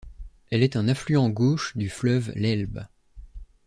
Elle est un affluent gauche du fleuve l'Elbe.